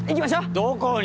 どこに？